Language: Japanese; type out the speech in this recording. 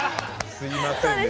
すいませんね